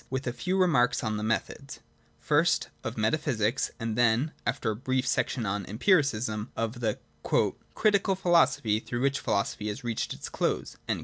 142), with a few remarks on the methods, first, of metaphysic, and then (after a brief section on empiri cism), of the ' Critical Philosophy through which phi losophy has reached its close.'